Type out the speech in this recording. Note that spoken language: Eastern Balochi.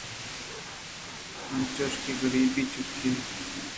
انچوش کہ غریبی چک اَنت